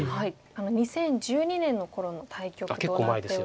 ２０１２年の頃の対局となっております。